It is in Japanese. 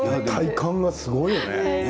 顔がすごいよね。